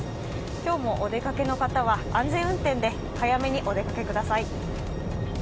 今日もお出かけの方は安全運転で早めにお出かけください。